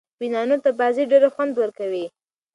فېنانو ته بازي ډېره خوند ورکوي.